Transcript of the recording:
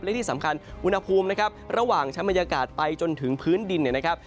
และที่สำคัญวุณภูมินะครับระหว่างชะมัยยากาศไปจนถึงพื้นดินนะครับ